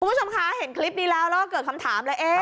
คุณผู้ชมคะเห็นคลิปนี้แล้วแล้วก็เกิดคำถามเลย